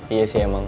iya sih emang